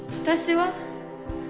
私は？